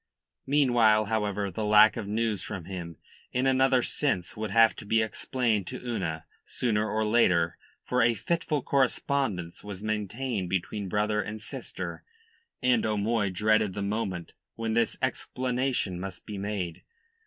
Meanwhile, however, the lack of news from him, in another sense, would have to be explained to Una sooner or later for a fitful correspondence was maintained between brother and sister and O'Moy dreaded the moment when this explanation must be made.